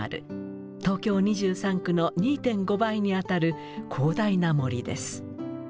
東京２３区の２．５倍にあたる広大な森です。